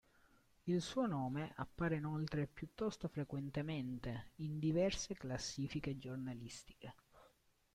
Il suo nome appare inoltre piuttosto frequentemente in diverse classifiche giornalistiche.